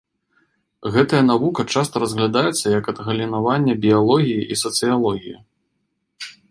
Гэтая навука часта разглядаецца як адгалінаванне біялогіі і сацыялогіі.